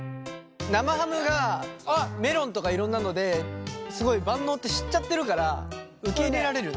生ハムがメロンとかいろんなのですごい万能って知っちゃってるから受け入れられるね。